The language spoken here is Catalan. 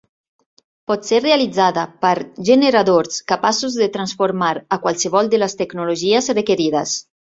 Pot ser realitzada per generadors capaços de transformar a qualsevol de les tecnologies requerides.